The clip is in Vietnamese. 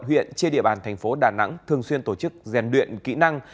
huyện trên địa bàn tp đà nẵng thường xuyên tổ chức rèn luyện kỹ năng